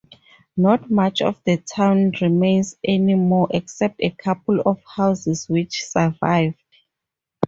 Not much of the town remains anymore except a couple of houses which survived.